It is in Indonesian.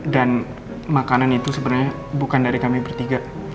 dan makanan itu sebenernya bukan dari kami bertiga